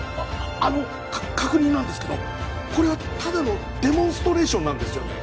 あの確認なんですけどこれはただのデモンストレーションなんですよね